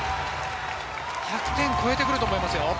１００点超えてくると思いますよ。